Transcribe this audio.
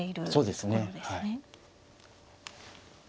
そうですねはい。